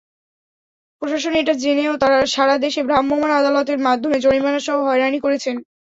প্রশাসন এটা জেনেও সারা দেশে ভ্রাম্যমাণ আদালতের মাধ্যমে জরিমানাসহ হয়রানি করছেন।